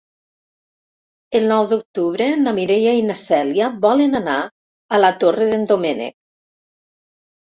El nou d'octubre na Mireia i na Cèlia volen anar a la Torre d'en Doménec.